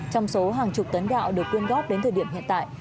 trong số hàng chục tấn gạo được quyên góp đến thời điểm hiện tại